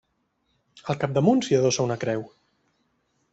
Al capdamunt s'hi adossa una creu.